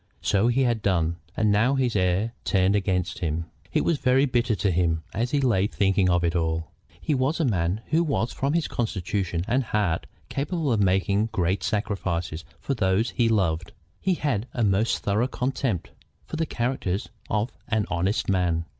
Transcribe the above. So he had done, and now his heir turned against him! It was very bitter to him, as he lay thinking of it all. He was a man who was from his constitution and heart capable of making great sacrifices for those he loved. He had a most thorough contempt for the character of an honest man.